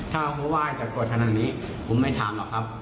ถ้าผู้ไหว้จะโกรธทั้งนั้นนี้ผมไม่ถามหรอกครับ